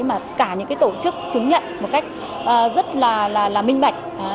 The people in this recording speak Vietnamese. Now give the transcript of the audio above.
mà cả những tổ chức chứng nhận một cách rất là minh bạch